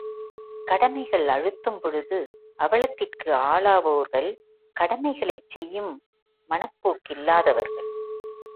கடமைகள் அழுத்தும் பொழுது அவலத்திற்கு ஆளாவோர்கள் கடமைகளைச் செய்யும் மனப் போக்கில்லாதவர்கள்.